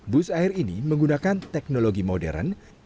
bus air ini menggunakan teknologi modern